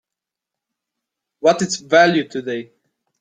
What's its value today?